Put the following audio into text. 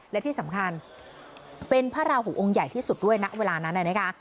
และที่สำคัญเป็นพระราหูองค์ใหญ่ที่สุดด้วยนะเวลานั้นนะคะ